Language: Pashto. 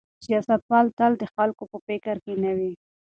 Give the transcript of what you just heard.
سیاستوال تل د خلکو په فکر کې نه وي.